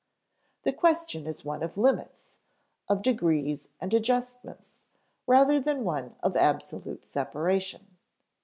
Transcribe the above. The question is one of limits, of degrees and adjustments, rather than one of absolute separation.